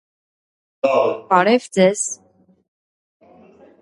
Ծաղկում է մայիսի վերջին կամ հունիսի սկզբին։